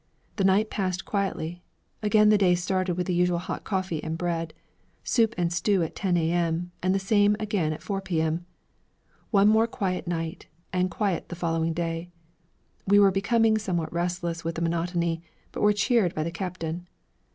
The night passed quietly; again the day started with the usual hot coffee and bread. Soup and stew at 10 A.M., and the same again at 4 P.M. One more quiet night, and quiet the following day. We were becoming somewhat restless with the monotony, but were cheered by the captain.